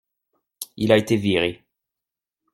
Il a été viré.